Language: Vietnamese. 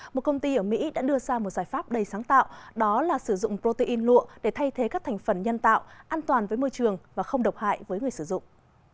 một công ty ở mỹ đã đưa ra một giải pháp đầy sáng tạo đó là sử dụng protein lụa để thay thế các thành phần nhân tạo an toàn với môi trường và không độc hại với người sử dụng